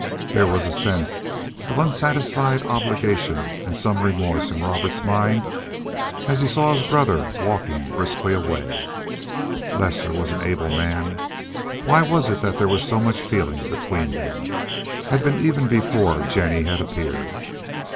There was a sense of unsatisfied obligation and some remorse in Robert's mind as he saw his brother walking briskly away. Lester was an able man. Why was it that there was so much feeling between them—had been even before Jennie had appeared?